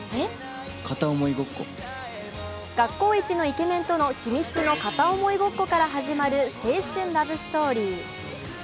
学校一のイケメンとの秘密の片想いごっこから始まる青春ラブストーリー。